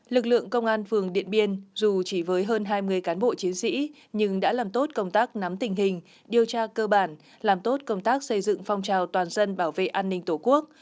lực lượng công an phường điện biên dù chỉ với hơn hai mươi cán bộ chiến sĩ nhưng đã làm tốt công tác nắm tình hình điều tra cơ bản làm tốt công tác xây dựng phong trào toàn dân bảo vệ an ninh tổ quốc